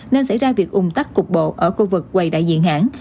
nên xảy ra việc ung tắt cục bộ ở khu vực quay đại diện hãng